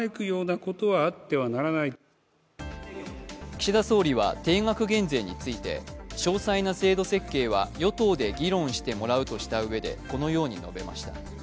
岸田総理は定額減税について詳細な制度設計は与党で議論してもらうとしたうえでこのように述べました。